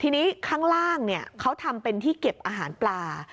ทีนี้ข้างล่างเขาทำเป็นที่เก็บอาหารปลา